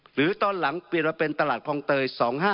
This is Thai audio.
หรือตอนหลังเปลี่ยนมาเป็นตลาดคลองเตย๒๕๖